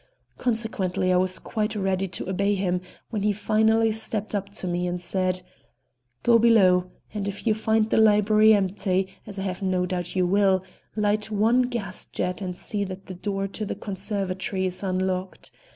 Consequently I was quite ready to obey him when he finally stepped up to me and said: "Go below, and if you find the library empty, as I have no doubt you will, light one gas jet and see that the door to the conservatory is unlocked.